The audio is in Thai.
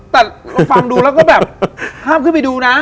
แต่เราฟังดูแล้วก็แบบห้ามขึ้นไปดูนะ